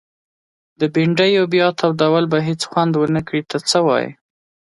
د بنډیو بیا تودول به هيڅ خوند ونکړي ته څه وايي؟